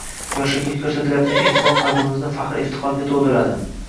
Yoshlarga ko‘rsatilayotgan e’tibor qalbimizni faxr-iftixorga to‘ldiradi